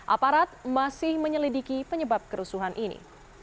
aparat masih menyelidiki penyebab kerusuhan ini